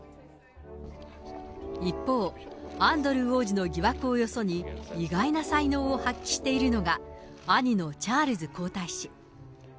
一方、アンドルー王子の疑惑をよそに、意外な才能を発揮しているのが、兄のチャールズ皇太子。